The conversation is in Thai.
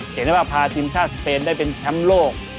เห็นได้ว่าพาทีมชาติสเปนได้เป็นแชมป์โลก